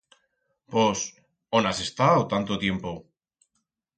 Pos ón has estau, tanto tiempo?